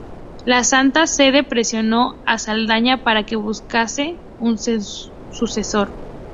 La Santa Sede, presionó a Saldaña para que buscase un sucesor.